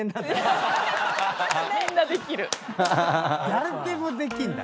誰でもできんだ。